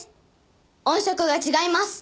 音色が違います。